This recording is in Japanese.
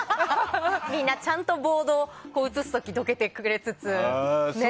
みんなちゃんとボードを映す時にどいてくれたりね。